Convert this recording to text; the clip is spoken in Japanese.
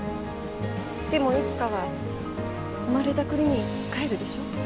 でもいつかは生まれた国に帰るでしょ？